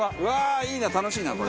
いいな楽しいなこれ。